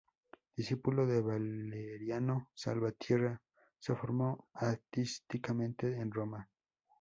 Discípulo de Valeriano Salvatierra se formó artísticamente en Roma.